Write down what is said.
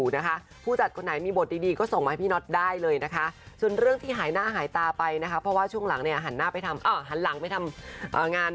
งานเดียวแบบพี่เป๊กสัญชัยเอาไปคุณสมนะคะมันมิจโตมเปลี่ยนงาน